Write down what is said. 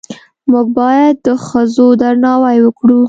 موږ باید د ښځو درناوی وکړو